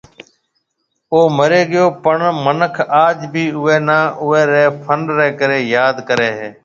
او مري گيو پڻ منک آج بِي اوئي ني اوئي ري فن ري ڪري ياد ڪري ھيَََ